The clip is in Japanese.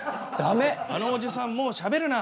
「あのおじさんもうしゃべるな！